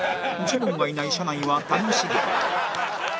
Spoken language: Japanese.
ジモンがいない車内は楽しげ